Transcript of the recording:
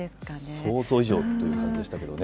想像以上という感じでしたけどね。